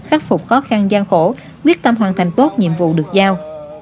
khắc phục khó khăn gian khổ quyết tâm hoàn thành tốt nhiệm vụ được giao